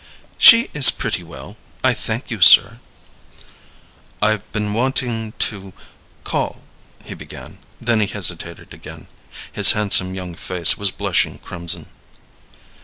"She is pretty well, I thank you, sir." "I've been wanting to call," he began; then he hesitated again. His handsome young face was blushing crimson.